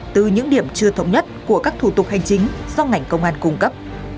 từ những điểm chưa thống nhất của các thủ tục hành chính do ngành công an cung cấp